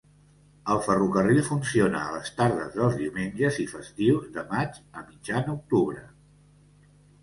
El ferrocarril funciona a les tardes dels diumenges i festius de maig a mitjan octubre.